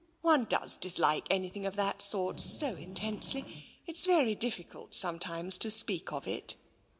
One does dislike anything of that sort so intensely, it's very difficult sometimes to speak of it."